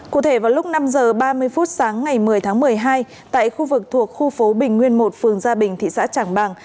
cụ thể vào lúc năm h ba mươi phút sáng ngày một mươi tháng một mươi hai tại khu vực thuộc khu phố bình nguyên một phường gia bình thị xã trảng bàng